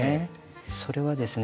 それはですね